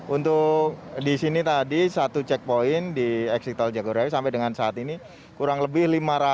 untuk di sini tadi satu checkpoint di eksiktor jagodari sampai dengan saat ini kurang lebih lima ratus empat puluh empat